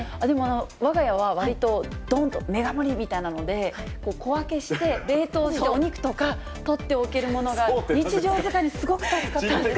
わが家はわりとどんとメガ盛りみたいなので、小分けして、冷凍して、お肉とか取っておけるものが日常使いにとても助かるんですよ。